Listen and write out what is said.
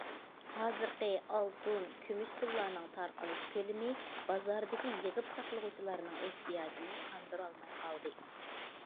ھازىرقى ئالتۇن، كۈمۈش پۇللارنىڭ تارقىتىلىش كۆلىمى بازاردىكى يىغىپ ساقلىغۇچىلارنىڭ ئېھتىياجىنى قاندۇرالماي قالدى.